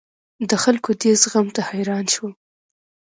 د خلکو دې زغم ته حیران شوم.